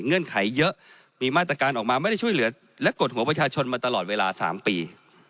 เงืนไขเยอะมีมาตรการออกมาไม่ได้ช่วยเหลือและกดหัวประชาชนมาตลอดเวลา๓ปี